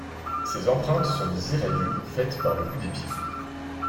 Ces empreintes sont des éraillures faites par le bout des pieds.